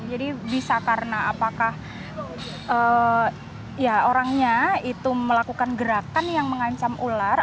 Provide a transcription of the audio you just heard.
bisa karena apakah orangnya itu melakukan gerakan yang mengancam ular